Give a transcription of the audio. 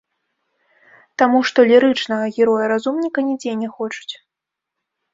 Таму што лірычнага героя-разумніка нідзе не хочуць.